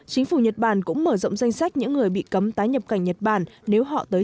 chính phủ nhật bản cũng mở rộng danh sách những người bị cấm tái nhập cảnh nhật bản nếu họ tới